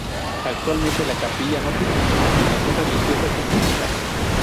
Actualmente, la capilla no tiene ninguna afiliación religiosa específica.